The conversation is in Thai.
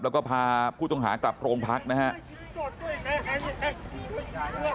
แล้วก็พาผู้ต้องหากลับโรงพักนะครับ